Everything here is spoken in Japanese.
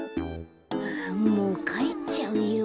もうかえっちゃうよ。